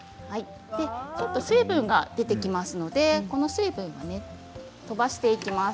ちょっと水分が出てきますのでこの水分を飛ばしていきます。